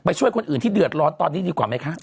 ช่วยคนอื่นที่เดือดร้อนตอนนี้ดีกว่าไหมคะ